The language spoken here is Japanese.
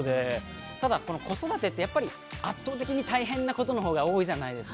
ただ子育てってやっぱり圧倒的に大変なことの方が多いじゃないですか。